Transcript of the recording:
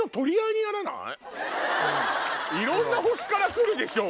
いろんな星から来るでしょ